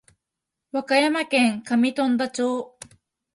和歌山県上富田町